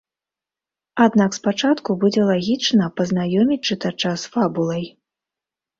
Аднак спачатку будзе лагічна пазнаёміць чытача з фабулай.